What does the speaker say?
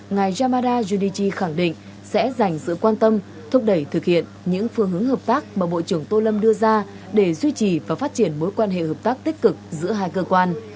ngài yamada yudichi khẳng định sẽ dành sự quan tâm thúc đẩy thực hiện những phương hướng hợp tác mà bộ trưởng tô lâm đưa ra để duy trì và phát triển mối quan hệ hợp tác tích cực giữa hai cơ quan